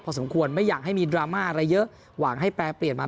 สมควรไม่อยากให้มีดราม่าอะไรเยอะหวังให้แปรเปลี่ยนมา